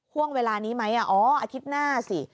ห่วงเวลานี้ไหมอ๋ออาทิตย์หน้าสิ